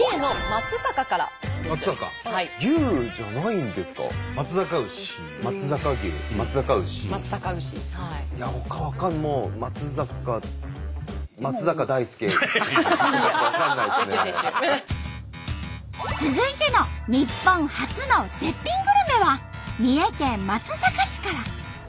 まつざか続いての日本初の絶品グルメは三重県松阪市から。